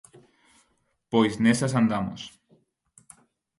Pois nesas andamos.